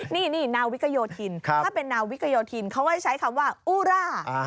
นี่นาวิกโยธินถ้าเป็นนาวิกโยธินเขาก็จะใช้คำว่าอูร่า